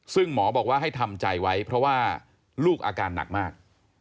ซึ่งหมอบอกว่าให้ทำใจไว้เพราะว่าลูกอาการหนักมาก